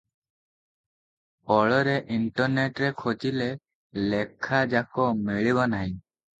ଫଳରେ ଇଣ୍ଟରନେଟରେ ଖୋଜିଲେ ଲେଖାଯାକ ମିଳିବ ନାହିଁ ।